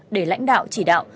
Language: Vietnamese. để lãnh đạo chỉ đạo